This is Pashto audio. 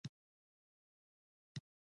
شریک او یوځای.